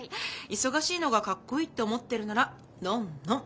忙しいのがかっこいいって思ってるならノンノン。